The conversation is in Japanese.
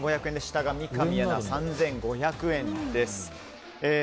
下が三上アナ、３５００円です。